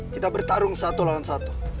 kita bertarung satu lawan satu